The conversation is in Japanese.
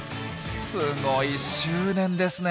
すごい執念ですね。